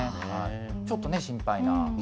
ちょっと心配な。